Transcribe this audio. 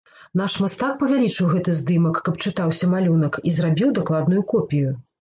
Наш мастак павялічыў гэты здымак, каб чытаўся малюнак, і зрабіў дакладную копію.